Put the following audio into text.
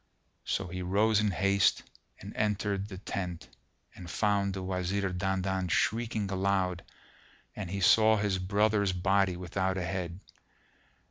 So he rose in haste and entered the tent, and found the Wazir Dandan shrieking aloud and he saw his brother's body without a head.